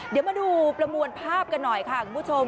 เดี๋ยวมาดูประมวลภาพกันหน่อยค่ะคุณผู้ชม